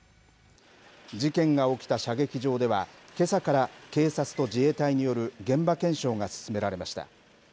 事件が起きた射撃場ではけさから、警察と自衛隊による現場検証が進められました。